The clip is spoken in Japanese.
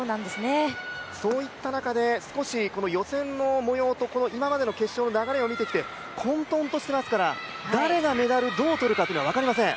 そういった中で少し予選の模様と決勝の流れを見てきて混沌としていますから誰がメダル、どうとるかは本当に分かりません。